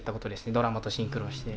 ドラマとシンクロして。